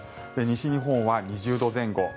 西日本は２０度前後。